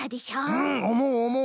うんおもうおもう。